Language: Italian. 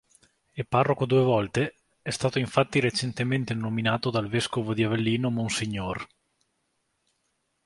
E parroco due volte: è stato infatti recentemente nominato dal vescovo di Avellino mons.